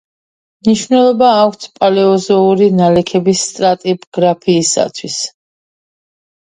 მნიშვნელობა აქვთ პალეოზოური ნალექების სტრატიგრაფიისათვის.